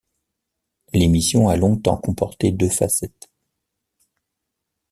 L'émission a longtemps comporté deux facettes.